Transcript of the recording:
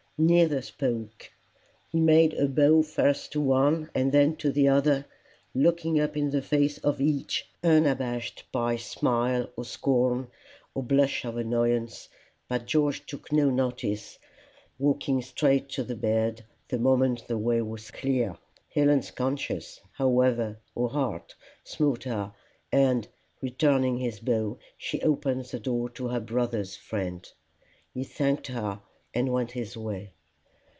Neither spoke. He made a bow first to one and then to the other, looking up in the face of each, unabashed by smile or scorn or blush of annoyance, but George took no notice, walking straight to the bed the moment the way was clear. Helen's conscience, however, or heart, smote her, and, returning his bow, she opened the door for her brother's friend. He thanked her, and went his way.